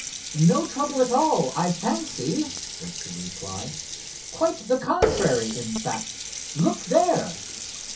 "No trouble at all, I fancy," was the reply; "quite the contrary, in fact. Look there."